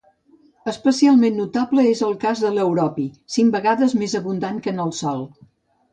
Especialment notable és el cas de l'europi, cinc vegades més abundant que en el Sol.